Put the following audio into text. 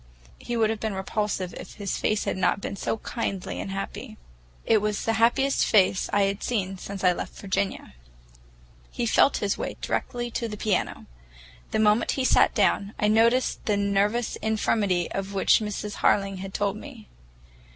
He would have been repulsive if his face had not been so kindly and happy. It was the happiest face I had seen since I left Virginia. He felt his way directly to the piano. The moment he sat down, I noticed the nervous infirmity of which Mrs. Harling had told me.